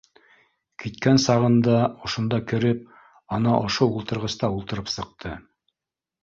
Киткән сағында ошонда кереп, ана ошо ултырғыста ултырып сыҡты